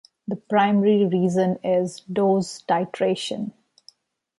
The primary reason is dose titration.